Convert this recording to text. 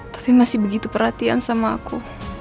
tapi masih begitu perhatian sama aku